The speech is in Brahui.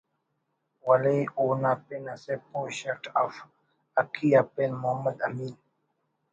ولے اونا پن اسہ پوش it if Haqqi a pin Muhammad Amin